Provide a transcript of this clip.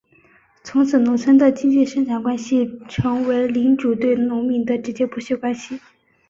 从此农村的基本生产关系成为领主对农民的直接剥削关系。